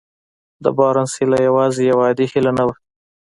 د بارنس هيله يوازې يوه عادي هيله نه وه.